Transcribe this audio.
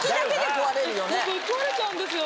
ぶっ壊れちゃうんですよ